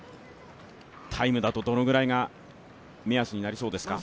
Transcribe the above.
タイムだと、どのぐらいが目安になりそうですか？